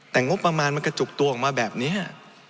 แต่งบประมาณมันกระจุกตัวออกมาแบบนี้